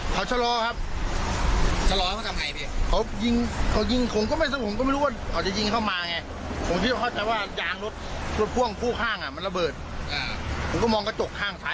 แต่เราก็ถามมาอยู่ดีใช่ปะ